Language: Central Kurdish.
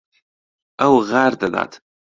ئەو غار دەدات.